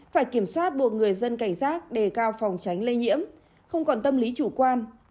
phải kiểm soát buộc người dân cảnh giác đề cao phòng tránh lây nhiễm không còn tâm lý chủ quan